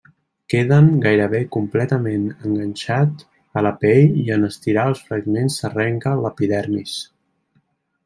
Queden gairebé completament enganxat a la pell i en estirar els fragments s'arrenca l'epidermis.